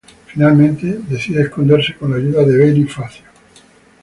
Finalmente decide esconderse con la ayuda de Benny Fazio.